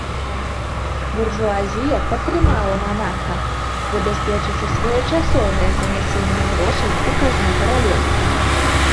Буржуазія падтрымала манарха, забяспечыўшы своечасовае занясенне грошай у казну каралеўства.